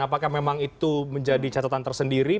apakah memang itu menjadi catatan tersendiri